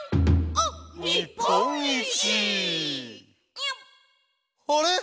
「あれ！